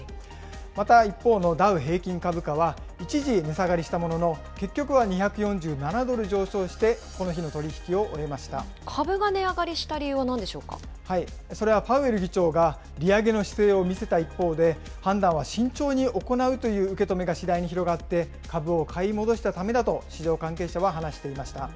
また、一方のダウ平均株価は、一時値下がりしたものの、結局は２４７ドル上昇して、この日の取り株が値上がりした理由はなんそれはパウエル議長が利上げの姿勢を見せた一方で、判断は慎重に行うという受け止めが次第に広がって、株を買い戻したためだと、市場関係者は話していました。